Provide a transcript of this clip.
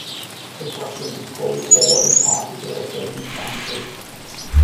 Aggression is called for in particular circumstances.